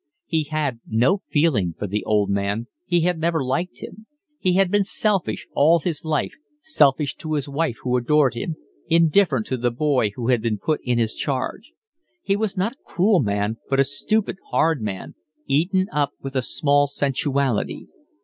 He had no feeling for the old man, he had never liked him; he had been selfish all his life, selfish to his wife who adored him, indifferent to the boy who had been put in his charge; he was not a cruel man, but a stupid, hard man, eaten up with a small sensuality.